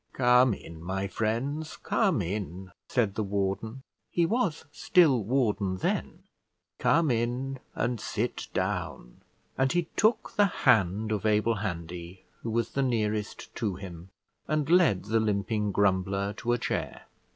"Come in, my friends, come in," said the warden; he was still warden then. "Come in, and sit down;" and he took the hand of Abel Handy, who was the nearest to him, and led the limping grumbler to a chair.